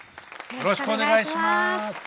よろしくお願いします。